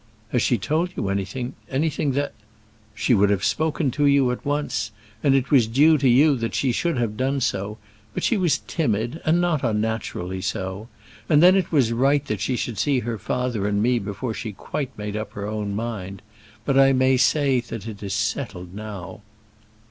"Has she told you anything anything that " "She would have spoken to you at once and it was due to you that she should have done so but she was timid; and not unnaturally so. And then it was right that she should see her father and me before she quite made up her own mind. But I may say that it is settled now."